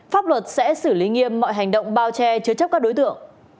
pháp luật sẽ xử lý nghiêm mọi hành động bao che chứa chấp các đối tượng